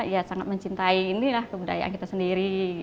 ya sangat mencintai ini lah kebudayaan kita sendiri